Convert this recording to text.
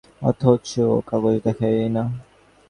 Club সেটি দিয়ে দেয় বলে দাবি করে অথচ কাগজ দেখায় না।